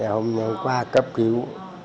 hôm qua cấp cứu